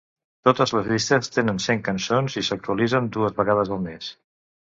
Totes les llistes tenen cent cançons i s’actualitzen dues vegades el mes.